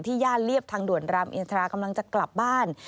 ย่านเรียบทางด่วนรามอินทรากำลังจะกลับบ้าน